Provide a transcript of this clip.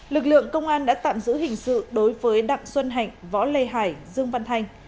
lực lượng công an đã tạm giữ hình sự đối với đặng xuân hạnh võ lê hải dương văn thanh